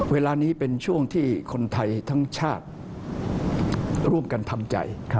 เวลานี้เป็นช่วงที่คนไทยทั้งชาติร่วมกันทำใจ